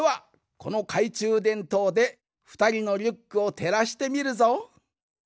このかいちゅうでんとうでふたりのリュックをてらしてみるぞ。